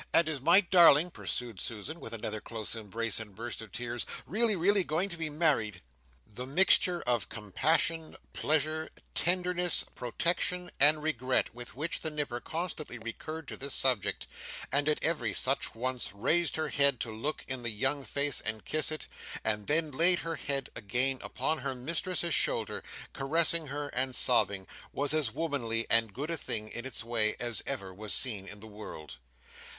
And is my darling," pursued Susan, with another close embrace and burst of tears, "really really going to be married!" The mixture of compassion, pleasure, tenderness, protection, and regret with which the Nipper constantly recurred to this subject, and at every such once, raised her head to look in the young face and kiss it, and then laid her head again upon her mistress's shoulder, caressing her and sobbing, was as womanly and good a thing, in its way, as ever was seen in the world.